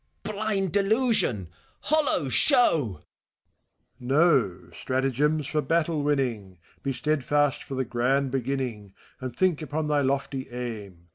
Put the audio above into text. Blind delusion! Hollow show! MEPHISTOPHELES. No, — stratagems, for battle winning! Be steadfast for the grand beginning, And think upon thy lofty aim!